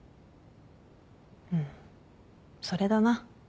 うんそれだな。